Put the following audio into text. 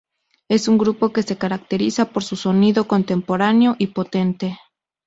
Es un grupo que se caracteriza por su sonido contemporáneo y potente.